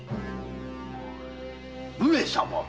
上様。